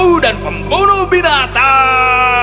mikajo dan pembunuh binatang